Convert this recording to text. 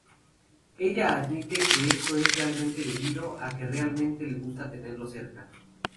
Ella admite que esto es realmente debido a que realmente le gusta tenerlo cerca.